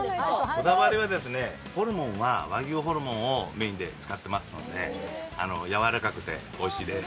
こだわりは、ホルモンは和牛ホルモンをメインで使っていますのでやわらかくておいしいでーす。